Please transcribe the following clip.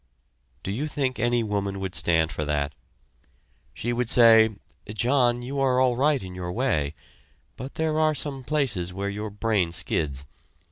Do you think any woman would stand for that? She would say: "John, you are all right in your way, but there are some places where your brain skids.